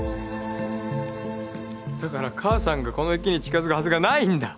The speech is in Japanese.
だから母さんがこの池に近づくはずがないんだ。